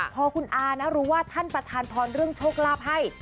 พอคุณอานะรู้ว่าท่านประธานพรเรื่องโชคลาภให้